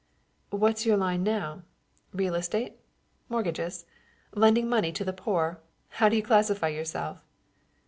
"What's your line now? Real estate, mortgages, lending money to the poor? How do you classify yourself?"